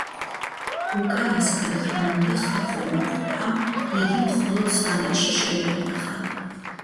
უკანასკნელ ხანამდე ხალხურმა ყოფამ იგი მხოლოდ სვანეთში შემოინახა.